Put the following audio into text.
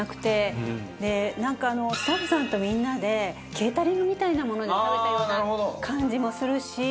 でなんかスタッフさんとみんなでケータリングみたいなもので食べたような感じもするし。